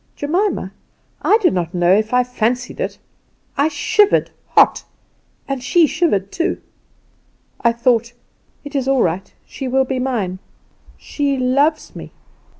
Jemima, I do not know if I fancied it I shivered hot, and she shivered too! I thought, 'It is all right; she will be mine; she loves me!